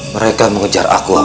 mereka mengejar aku abah